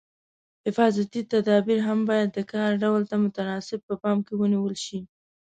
حفاظتي تدابیر هم باید د کار ډول ته متناسب په پام کې ونیول شي.